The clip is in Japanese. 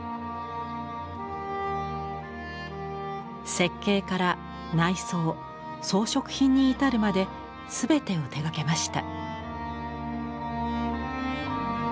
設計から内装装飾品に至るまで全てを手がけました。